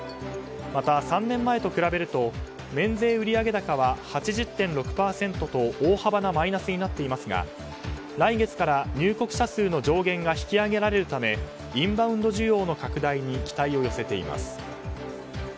また３年前と比べると免税売上高は８０．６％と大幅なマイナスになっていますが来月から入国者数の上限が引き上げられるためインバウンド需要の拡大に期待を寄せています。